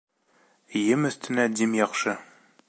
Ем өҫтөнә дим яҡшы.